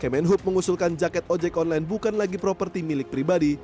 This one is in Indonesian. kemenhub mengusulkan jaket ojek online bukan lagi properti milik pribadi